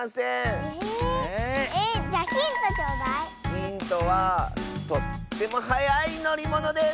ヒントはとってもはやいのりものです！